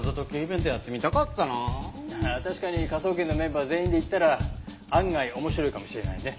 確かに科捜研のメンバー全員で行ったら案外面白いかもしれないね。